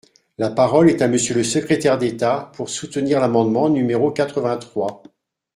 La parole est à Monsieur le secrétaire d’État, pour soutenir l’amendement numéro quatre-vingt-trois.